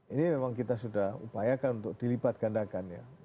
ini memang kita sudah upayakan untuk dilibatkan gandakannya